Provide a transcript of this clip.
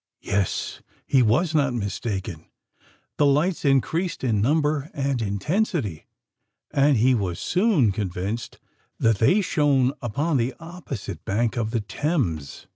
Yes: he was not mistaken! The lights increased in number and intensity; and he was soon convinced that they shone upon the opposite bank of the Thames.